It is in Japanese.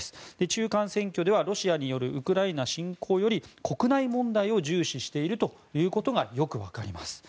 中間選挙ではロシアによるウクライナ侵攻より国内問題を重視しているということがよく分かります。